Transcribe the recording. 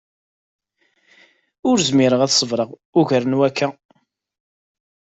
Ur zmireɣ ad s-ṣebreɣ ugar n wakka.